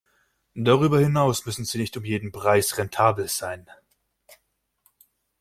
Darüber hinaus müssen sie nicht um jeden Preis rentabel sein.